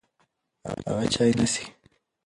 هغه چای نه څښي.